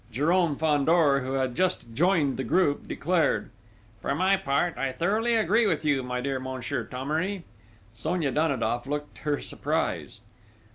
Jérôme Fandor, who had just joined the group, declared: "For my part, I thoroughly agree with you, my dear Monsieur Thomery!" Sonia Danidoff looked her surprise.